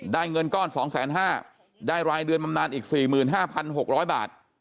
เงินก้อน๒๕๐๐บาทได้รายเดือนบำนานอีก๔๕๖๐๐บาท